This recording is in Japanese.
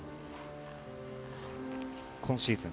今シーズン